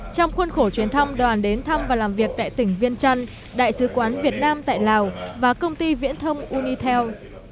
trong khuôn khổ chuyến thăm đoàn đến thăm và làm việc tại tỉnh viên trăn đại sứ quán việt nam tại lào và công ty viễn thông unitel